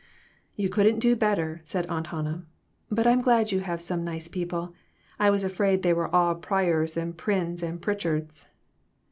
"You couldn't do better," said Aunt Hannah; "but I'm glad you have some nice people. I was afraid they were all Pryors and Pryns and Pritchards."